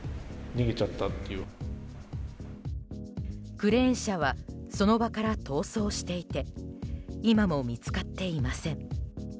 クレーン車はその場から逃走していて今も見つかっていません。